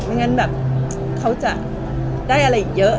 งั้นแบบเขาจะได้อะไรอีกเยอะ